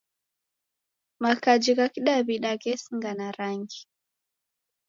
Makaji gha kidaw'ida ghesinga na rangi